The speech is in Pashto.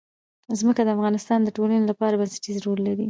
ځمکه د افغانستان د ټولنې لپاره بنسټيز رول لري.